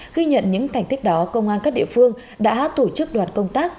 ghi nhận những thành tích đó công an các địa phương đã tổ chức đoàn công tác